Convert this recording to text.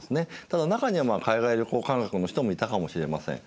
ただ中には海外旅行感覚の人もいたかもしれません。